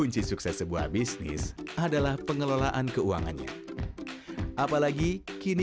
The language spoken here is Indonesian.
di forum indonesia bangkit